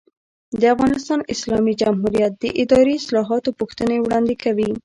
د افغانستان اسلامي جمهوریت د اداري اصلاحاتو پوښتنې وړاندې کوي.